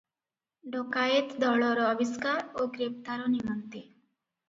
ଡକାଏତ ଦଳର ଆବିଷ୍କାର ଓ ଗ୍ରେପ୍ତାର ନିମନ୍ତେ ।